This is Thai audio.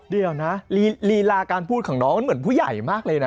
เดี๋ยวนะลีลาการพูดของน้องมันเหมือนผู้ใหญ่มากเลยนะ